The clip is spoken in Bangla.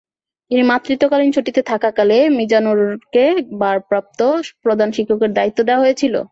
তিনি মাতৃত্বকালীন ছুটিতে থাকাকালে মিজানুরকে ভারপ্রাপ্ত প্রধান শিক্ষকের দায়িত্ব দেওয়া হয়েছিল।